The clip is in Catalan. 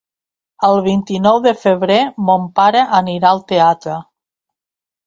El vint-i-nou de febrer mon pare irà al teatre.